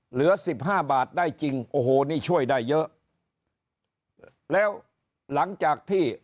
เหลือสิบห้าบาทได้จริงโอ้โหนี่ช่วยได้เยอะแล้วหลังจากที่